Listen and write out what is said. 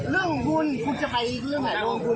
เรื่องของคุณคุณจะไปที่เรืองไหล่ล่ะคุณ